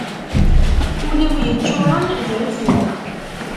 Ul-iw yeččuren d reffu.